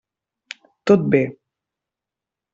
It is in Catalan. Tot bé.